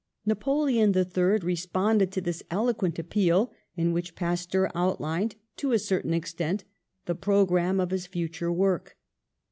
''^ Napoleon III responded to this eloquent ap peal in which Pasteur outlined, to a certain ex tent, the programme of his future work.